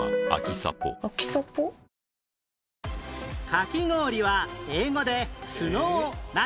かき氷は英語で「ｓｎｏｗ 何」？